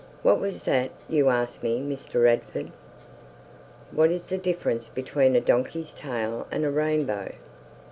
"What was that you asked me, Mr. Radford?" "What is the difference between a donkey's tail and a rainbow?"